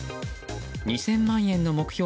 ２０００万円の目標